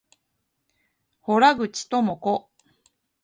洞口朋子